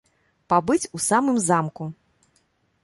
Пабыць у самым замку!